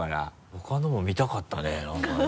他のも見たかったねなんか。